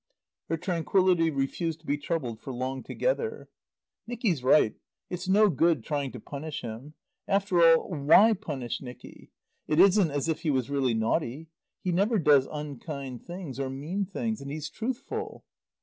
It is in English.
Her tranquillity refused to be troubled for long together. "Nicky's right. It's no good trying to punish him. After all, why punish Nicky? It isn't as if he was really naughty. He never does unkind things, or mean things. And he's truthful."